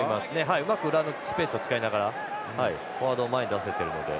うまく裏のスペースを使いながらフォワードを前に出せているので。